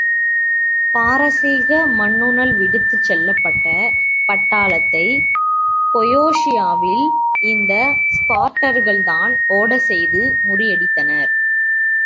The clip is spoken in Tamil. பாரசீக மன்னனுல் விடுத்துச் செல்லப்பட்ட பட்டாளத்தைப் பொயோஷியாவில் இந்த ஸ்பார்ட்டர்கள்தான் ஓடச் செய்து முறியடித்தனர்.